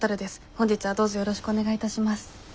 本日はどうぞよろしくお願いいたします。